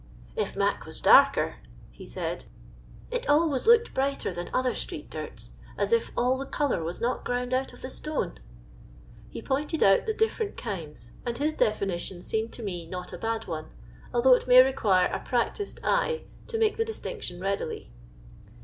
" If mac was darker," he said, "it always looked brighter than other street dirts, as if all the colour was not ground out of the stone." He pointed out the different kinds, and his definition seemed to me not a bad one, although it may require a practised eye to make the distinction readily.